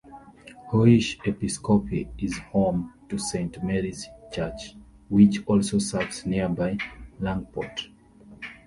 Huish Episcopi is home to Saint Mary's Church, which also serves nearby Langport.